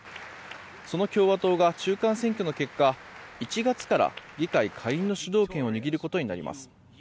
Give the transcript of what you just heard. その共和党が中間選挙の結果１月から議会下院の主導権を握ることになります。